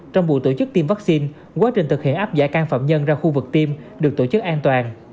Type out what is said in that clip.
trong buổi tổ chức tiêm vaccine quá trình thực hiện áp giải can phạm nhân ra khu vực tiêm được tổ chức an toàn